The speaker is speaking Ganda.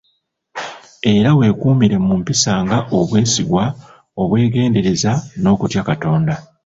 Era weekuumire mu mpisa nga; obwesigwa, obwegendereza n'okutya Katonda.